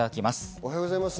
おはようございます。